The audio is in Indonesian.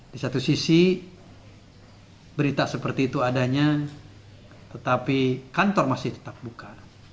di satu sisi berita seperti itu adanya tetapi kantor masih tetap buka